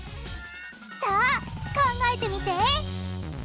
さあ考えてみて！